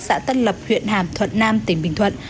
xã tân lập huyện hàm thuận nam tỉnh bình thuận